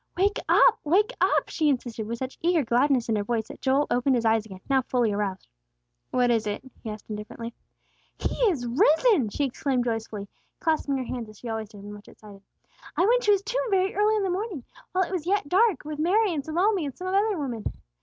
"Wake up! Wake up!" she insisted, with such eager gladness in her voice that Joel opened his eyes again, now fully aroused. "What is it?" he asked indifferently. "He is risen!" she exclaimed joyfully, clasping her hands as she always did when much excited. "I went to His tomb very early in the morning, while it was yet dark, with Mary and Salome and some other women.